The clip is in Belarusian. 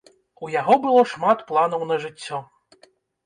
У яго было шмат планаў на жыццё.